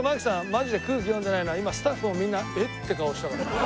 マジで空気読んでないのは今スタッフもみんな「えっ？」って顔したから。